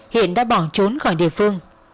hiền đã bỏ trốn khỏi địa phương